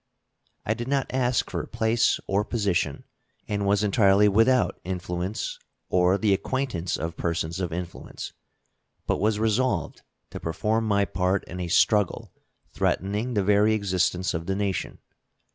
I did not ask for place or position, and was entirely without influence or the acquaintance of persons of influence, but was resolved to perform my part in a struggle threatening the very existence of the nation.